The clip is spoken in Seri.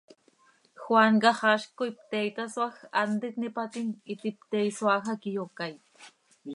Juan quih haxaazc coi pte itasoaaj, hant itnípatim, iti pte isoaaj hac iyocaait.